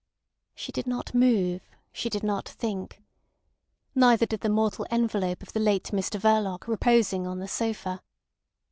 She did not move, she did not think. Neither did the mortal envelope of the late Mr Verloc reposing on the sofa.